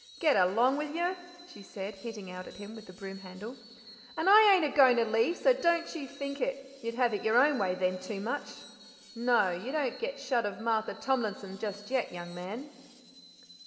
"Get along with you," she said, hitting out at him with the broom handle. "And I ain't a goin' to leave, so don't you think it. You'd have it your own way then too much. No; you don't get shut of Martha Tomlinson just yet, young man."